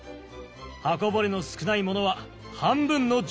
刃こぼれの少ない者は半分の１５両だ。